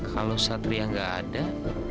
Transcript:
kalau satria ga ada